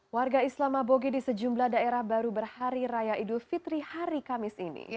warga islam aboge di sejumlah daerah baru berhari raya idul fitri hari kamis ini